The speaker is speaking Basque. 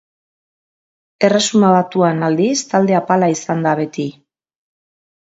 Erresuma Batuan aldiz talde apala izan da beti.